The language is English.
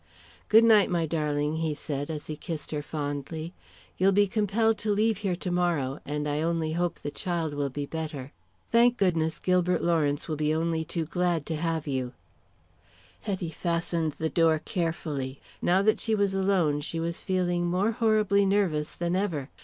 "Good night, my darling," he said, as he kissed her fondly. "You'll be compelled to leave here tomorrow, and I only hope the child will be better. Thank goodness, Gilbert Lawrence will be only too glad to have you." Hetty fastened the door carefully. Now that she was alone she was feeling more horribly nervous than ever.